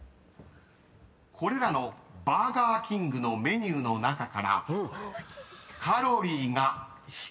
［これらのバーガーキングのメニューの中から］